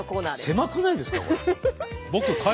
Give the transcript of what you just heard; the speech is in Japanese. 狭くないですか？